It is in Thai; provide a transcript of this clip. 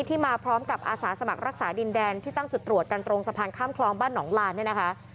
ที่มาพร้อมกับอาสาสมัครรักษาดินแดนที่ตั้งจุดตรวจกันตรงสะพานข้ามคลองบ้านหนองลานเนี่ยนะคะ